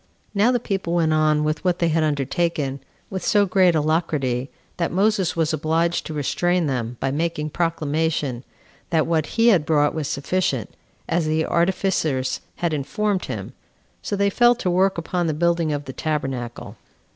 Now the people went on with what they had undertaken with so great alacrity, that Moses was obliged to restrain them, by making proclamation, that what had been brought was sufficient, as the artificers had informed him; so they fell to work upon the building of the tabernacle.